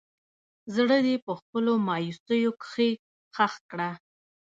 زړه دې په خپلو مايوسو کښې ښخ کړه